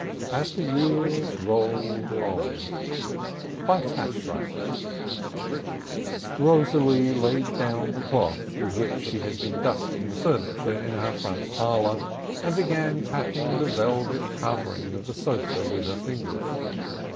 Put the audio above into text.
AS THE YEARS ROLL ON Eosalie laid down the cloth with which she had been dusting the furniture in her front parlor, and began tapping the velvet covering of the sofa with her fingers.